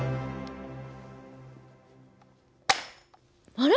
あれ？